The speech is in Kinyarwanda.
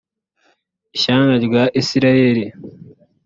ishyanga rya isirayeli